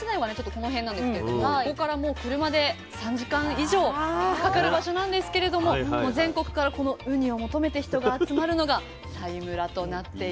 この辺なんですけれどもここからもう車で３時間以上かかる場所なんですけれども全国からこのウニを求めて人が集まるのが佐井村となっています。